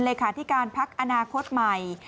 เลยค่ะที่การพักอนาคตใหม่